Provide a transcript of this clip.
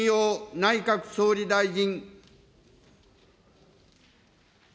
内閣総理大臣。